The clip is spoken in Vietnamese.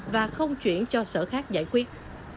và không chuyển cho sở khác giải quyết